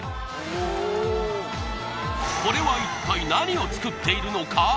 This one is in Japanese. おおこれは一体何を作っているのか？